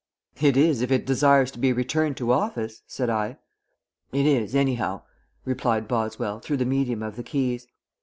"It is, if it desires to be returned to office," said I. "It is anyhow," replied Boswell through the medium of the keys.